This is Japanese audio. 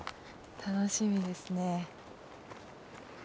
楽しみですね。